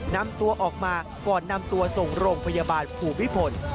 นำตัวออกมาก่อนนำตัวส่งโรงพยาบาลภูมิพล